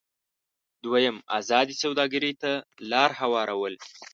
دویم: ازادې سوداګرۍ ته لار هوارول.